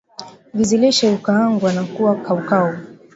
vizi lishe hukaangwa na kuwa kaukau